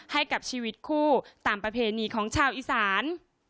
ให้กับชีวิตคู่ตามประเพณีของชาวอีสาน